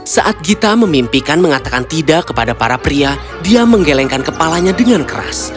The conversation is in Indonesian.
saat gita memimpikan mengatakan tidak kepada para pria dia menggelengkan kepalanya dengan keras